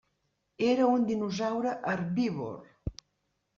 Era un dinosaure herbívor.